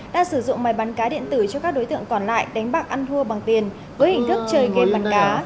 đã sử dụng máy bán cá điện tử cho các đối tượng còn lại đánh bạc ăn thua bằng tiền với hình thức chơi game bắn cá